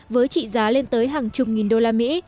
với trị giá lên tới hàng chục nghìn đô la mỹ